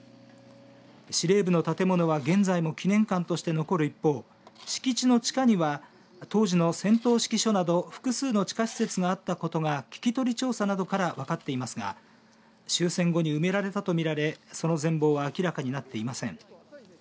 司令部の建物は現在も記念館として残る一方敷地の地下には当時の戦闘指揮所など複数の地下施設があったことが聞き取り調査などから分かっていますが終戦後に埋められたと見られその全貌は明らかになっていません。